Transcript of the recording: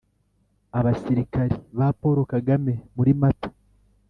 abasirikari ba paul kagame muri mata .